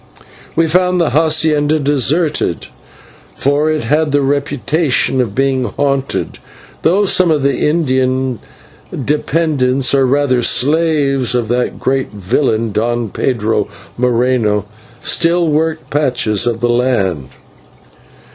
We found the /hacienda/ deserted, for it had the reputation of being haunted, though some of the Indian dependents, or rather slaves, of that great villain, Don Pedro Moreno, still worked patches of the land.